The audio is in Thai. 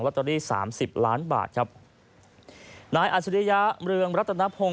แล้วตรงนี้สามสิบล้านบาทครับนายอัศริยาเมืองรัฐนพงษ์